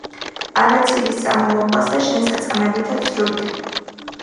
არა ცილი-სწამო მოყვასსა შენსა წამებითა ცრუითა.